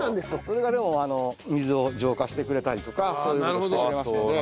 それがでも水を浄化してくれたりとかそういう事をしてくれますので。